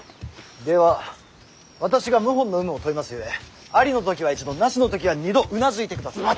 では私が謀反の有無を問いますゆえありの時は１度なしの時は２度うなずいてください。